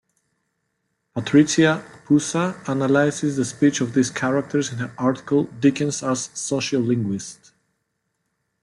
Patricia Poussa analyses the speech of these characters in her article "Dickens as Sociolinguist".